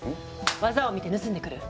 技を見て盗んでくる。